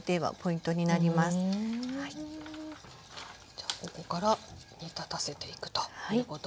じゃあここから煮立たせていくということですね。